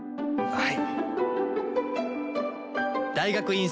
はい！